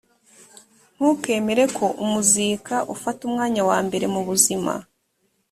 ntukemere ko umuzika ufata umwanya wa mbere mu buzima